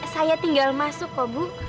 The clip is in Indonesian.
saya tinggal masuk kok bu